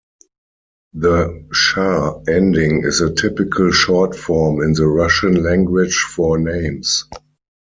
The "sha" ending is a typical short form in the Russian language for names.